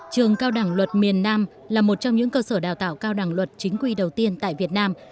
trường cao đẳng luật miền nam là một trong những cơ sở đào tạo cao đẳng luật chính quy đầu tiên tại việt nam